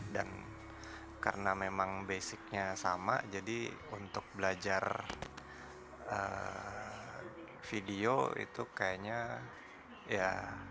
dan karena memang basicnya sama jadi untuk belajar video itu kayaknya ya